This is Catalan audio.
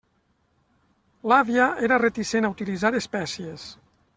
L'àvia era reticent a utilitzar espècies.